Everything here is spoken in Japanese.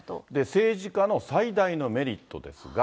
政治家の最大のメリットですが。